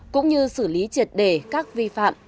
cũng như xử lý triệt đề các vi phạm